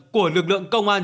của lực lượng công an